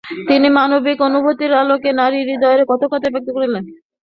তিনি মানবিক অনুভূতির আলোকে নারী-হৃদয়ের কথকতায় ব্যক্ত করিয়েছেন।